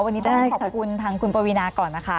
วันนี้ต้องขอบคุณทางคุณปวีนาก่อนนะคะ